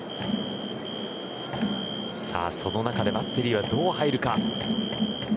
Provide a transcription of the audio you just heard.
さあその中でバッテリーはどう入るか。